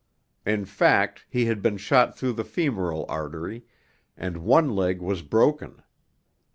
In fact, he had been shot through the femoral artery, and one leg was broken.